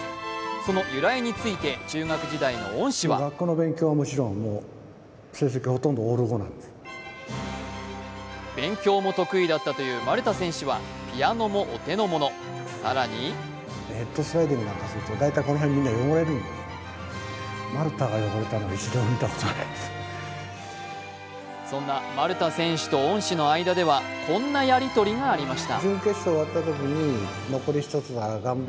その由来について中学時代の恩師は勉強も得意だったという丸田選手は、ピアノもお手の物、更にそんな丸田選手と恩師の間ではこんなやりとりがありました。